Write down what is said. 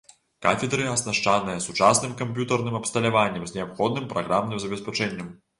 Кафедры аснашчаныя сучасным камп'ютарным абсталяваннем з неабходным праграмным забеспячэннем.